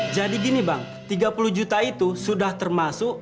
jadi gini bang tiga puluh juta itu sudah termasuk